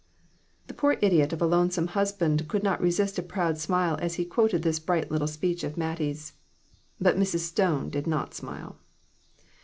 The poor idiot of a lonesome husband could not resist a proud smile as he quoted this bright little speech of Mattie's. But Mrs. Stone did not smile.